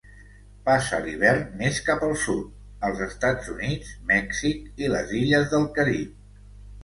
Passa l'hivern més cap al sud, als Estats Units, Mèxic i les illes del Carib.